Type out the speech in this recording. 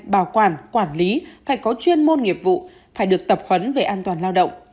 bảo quản quản lý phải có chuyên môn nghiệp vụ phải được tập huấn về an toàn lao động